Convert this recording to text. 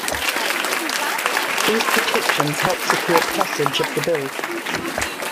These protections helped secure passage of the bill.